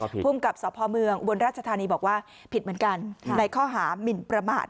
ภูมิกับสพเมืองอุบลราชธานีบอกว่าผิดเหมือนกันในข้อหามินประมาท